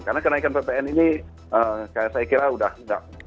karena kenaikan ppn ini saya kira sudah tidak